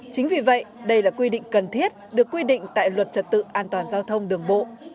chính vì vậy đây là quy định cần thiết được quy định tại luật trật tự an toàn giao thông đường bộ